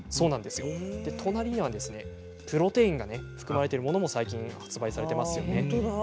隣にはプロテインが含まれているものも最近発売されていますよね。